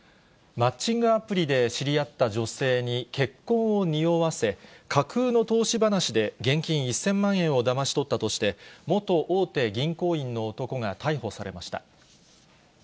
マッチングアプリで知り合った女性に、結婚をにおわせ、架空の投資話で現金１０００万円をだまし取ったとして、元大手銀行員の男が逮捕されました。